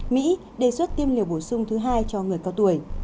mỹ đề xuất tiêm liều bổ sung thứ hai cho người cao tuổi